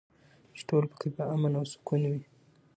چې ټول پکې په امن او سکون کې وي.